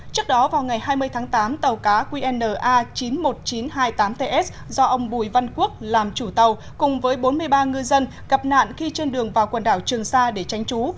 trước đó vào ngày hai mươi tháng tám tàu cá qna chín mươi một nghìn chín trăm hai mươi tám ts do ông bùi văn quốc làm chủ tàu cùng với bốn mươi ba ngư dân gặp nạn khi trên đường vào quần đảo trường sa để tránh trú